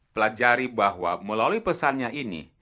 pelajari bahwa melalui pesannya ini